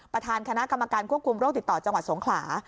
ประธานคณะกรรมการควบคุมโรคติดต่อจังหวัดสงขลา